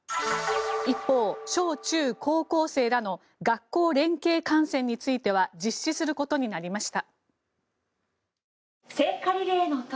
一方、小中高校生らの学校連携観戦については実施することになりました。